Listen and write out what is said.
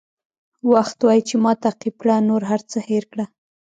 وخت وایي چې ما تعقیب کړه نور هر څه هېر کړه.